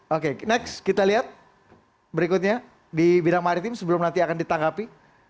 oke next kita lihat berikutnya di bidang maritim sebelum nanti akan ditanggapi